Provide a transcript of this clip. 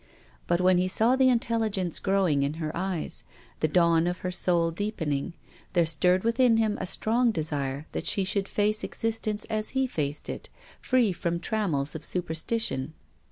But when he saw the intelligence grow ing in her eyes, the dawn of her soul deepening, there stirred within him a strong desire that she should face existence as he faced it, free from trammels of superstition.